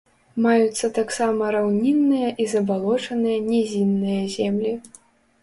Маюцца таксама раўнінныя і забалочаныя нізінныя землі.